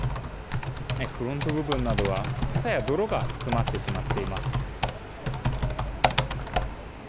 フロント部分などは草や泥が詰まってしまっています。